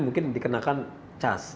mungkin dikenakan cas